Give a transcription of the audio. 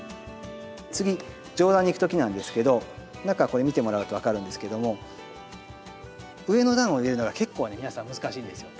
次上段にいく時なんですけど中これ見てもらうと分かるんですけども上の段を入れるのが結構ね皆さん難しいんですよ。